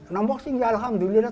nombok sih enggak alhamdulillah